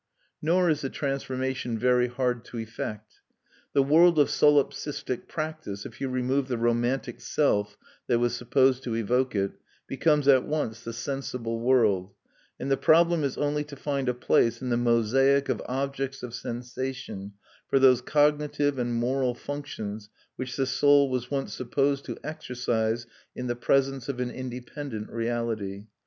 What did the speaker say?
Nor is the transformation very hard to effect. The world of solipsistic practice, if you remove the romantic self that was supposed to evoke it, becomes at once the sensible world; and the problem is only to find a place in the mosaic of objects of sensation for those cognitive and moral functions which the soul was once supposed to exercise in the presence of an independent reality.